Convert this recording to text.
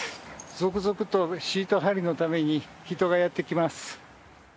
続々とシート張りのために人がやってきます。